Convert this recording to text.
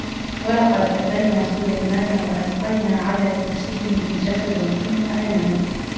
وَلَقَدْ فَتَنَّا سُلَيْمَانَ وَأَلْقَيْنَا عَلَى كُرْسِيِّهِ جَسَدًا ثُمَّ أَنَابَ